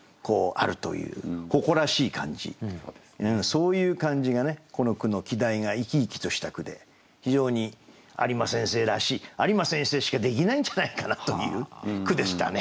そういう感じがこの句の季題が生き生きとした句で非常に有馬先生らしい有馬先生しかできないんじゃないかなという句でしたね。